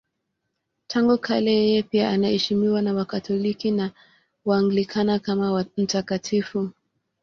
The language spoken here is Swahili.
Tangu kale yeye pia anaheshimiwa na Wakatoliki na Waanglikana kama mtakatifu.